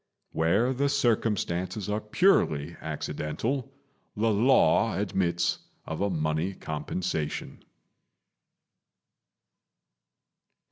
Where the circumstances are purely accidental, the law admits of a money compensation.